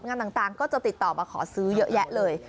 งานต่างก็จะติดต่อมาขอซื้อเยอะแยะเลย